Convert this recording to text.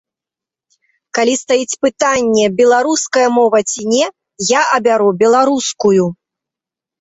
Калі стаіць пытанне, беларуская мова ці не, я абяру беларускую.